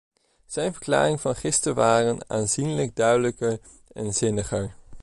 Zijn verklaringen van gisterenwaren aanzienlijk duidelijker en zinniger.